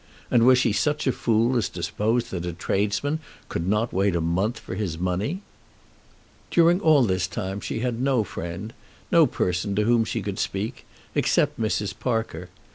And was she such a fool as to suppose that a tradesman could not wait a month for his money? During all this time she had no friend, no person to whom she could speak, except Mrs. Parker.